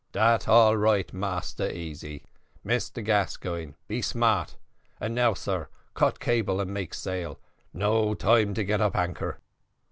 "Dat all right, Massa Easy. Mr Gascoigne, be smart and now, sar, cut cable and make sail; no time get up anchor."